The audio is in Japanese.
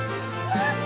やった！